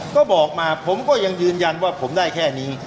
ก็บอกมาผมก็ยังยืนยันว่าผมได้แค่นี้